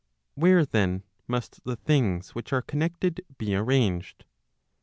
Where then, must the things which are connected be arranged